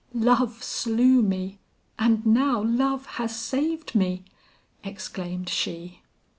"Love slew me, and now love has saved me!" exclaimed she.